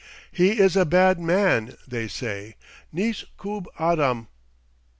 "He is a bad man," they say; "neis koob adam."